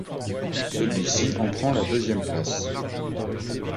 Celui-ci en prend la deuxième place.